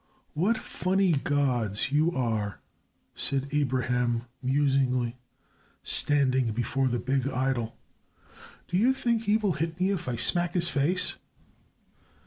"What funny gods yours are," said Abraham, musingly, standing before the big idol. "Do you think he will hit me if I smack his face?"